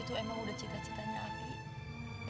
itu emang udah cita citanya aki